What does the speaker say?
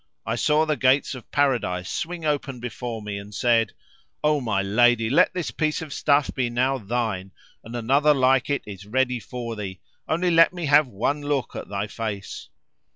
I saw the Gates of Paradise swing open before me and said, "O my lady, let this piece of stuff be now thine and another like it is ready for thee, only let me have one look at thy face."